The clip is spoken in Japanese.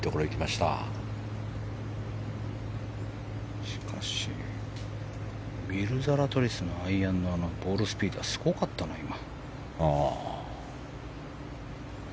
しかしウィル・ザラトリスのアイアンのボールスピードはすごかったな、今。